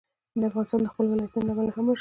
افغانستان د خپلو ولایتونو له امله هم مشهور دی.